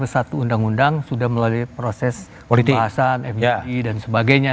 nah ini sudah ke satu undang undang sudah melalui proses pembahasan fdi dan sebagainya